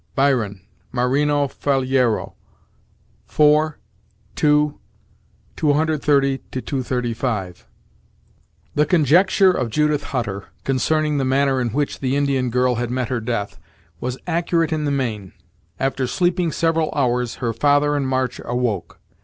Byron, Marino Faliero, IV.ii.230 35. The conjecture of Judith Hutter, concerning the manner in which the Indian girl had met her death, was accurate in the main. After sleeping several hours, her father and March awoke.